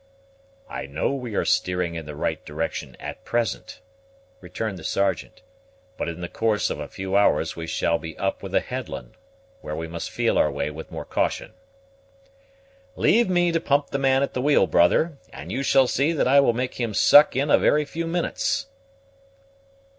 "I know we are steering in the right direction at present," returned the Sergeant; "but in the course of a few hours we shall be up with a headland, where we must feel our way with more caution." "Leave me to pump the man at the wheel, brother, and you shall see that I will make him suck in a very few minutes."